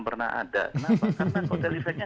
pernah ada kenapa karena kotel efeknya